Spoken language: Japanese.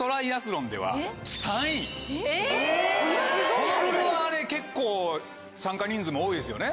ホノルルはあれ結構参加人数も多いですよね？